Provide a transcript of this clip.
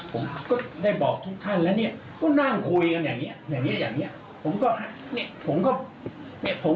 ผมเข้าไปออฟฟิศทาวน์นะตั้งแต่เป็นกองสลากทอง